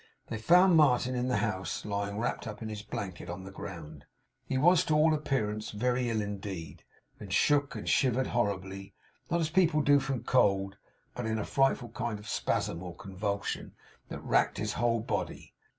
They found Martin in the house, lying wrapped up in his blanket on the ground. He was, to all appearance, very ill indeed, and shook and shivered horribly; not as people do from cold, but in a frightful kind of spasm or convulsion, that racked his whole body.